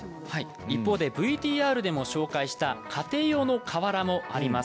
ＶＴＲでも紹介した家庭用の瓦もあります。